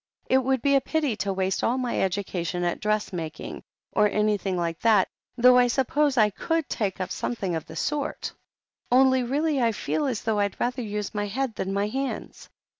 It would be a pity to waste all my educ?ition at dress making, or anything like that, though I suppose I could take up something of the sort. Only really I feel as though I'd rather use my head than my hands.